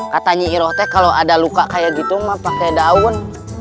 kata nyi iroh kalau ada luka seperti itu kakak pakai daun